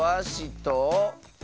と。